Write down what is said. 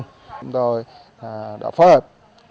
chúng tôi đã phát hợp